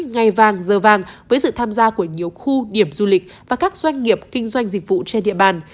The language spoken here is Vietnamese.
ngày vàng giờ vàng với sự tham gia của nhiều khu điểm du lịch và các doanh nghiệp kinh doanh dịch vụ trên địa bàn